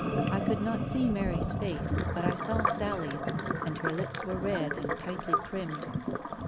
I could not see Mary's face, but I saw Sally's, and her lips were red, and tightly primmed.